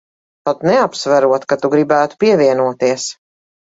Pat neapsverot, ka tu gribētu pievienoties.